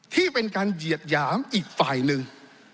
ที่เป็นการเหยียดหยามอีกฝ่ายหนึ่ง